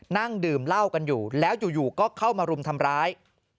นั่งดื่มเหล้ากันอยู่แล้วอยู่ก็เข้ามารุมทำร้าย